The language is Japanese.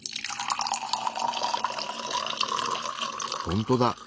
ほんとだ。